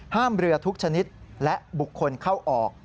เรือทุกชนิดและบุคคลเข้าออก